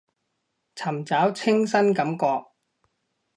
尋找清新感覺